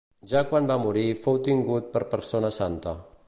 Ja quan va morir fou tingut per persona santa.